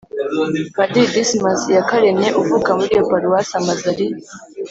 padiri dismas iyakaremye uvuka muri iyo paruwasi, amaze ari